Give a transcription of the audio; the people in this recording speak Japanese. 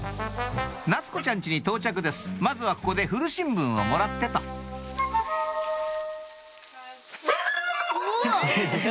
夏子ちゃんちに到着ですまずはここで古新聞をもらってとうお！